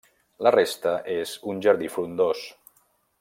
La resta és un jardí frondós.